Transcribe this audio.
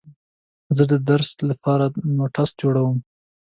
زه د درس لپاره نوټس جوړوم.